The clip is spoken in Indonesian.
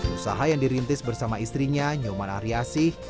usaha yang dirintis bersama istrinya nyoman ari asih